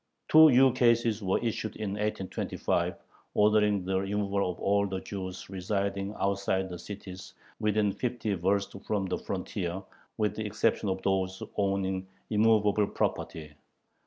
Two ukases were issued in 1825 ordering the removal of all the Jews residing outside the cities within fifty versts from the frontier, with the exception of those owning immovable property.